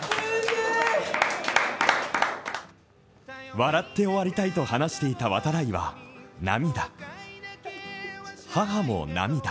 笑って終わりたいと話していた度会は涙。